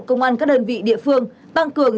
công an các đơn vị địa phương tăng cường